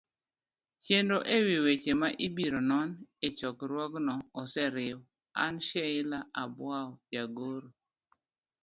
chenro e wi weche ma ibiro non e chokruogno oseriw. an, Sheila Abwao jagoro